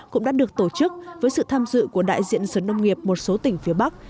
cũng đã được tổ chức với sự tham dự của đại diện sở nông nghiệp một số tỉnh phía bắc